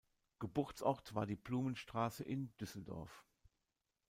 Geburtsort war die Blumenstraße in Düsseldorf.